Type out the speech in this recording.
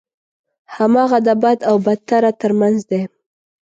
هماغه د بد او بدتر ترمنځ دی.